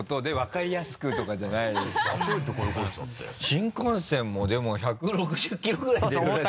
新幹線もでも１６０ｋｍぐらい出るらしい。